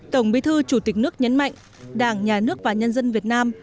tổng bí thư chủ tịch nước nhấn mạnh đảng nhà nước và nhân dân việt nam